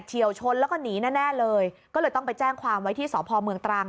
เฉียวชนแล้วก็หนีแน่เลยก็เลยต้องไปแจ้งความไว้ที่สพเมืองตรัง